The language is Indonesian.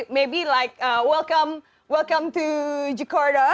mungkin seperti selamat datang selamat datang ke jakarta